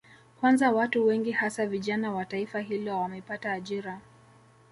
Kwanza watu wengi hasa vijana wa taifa hilo wamepata ajira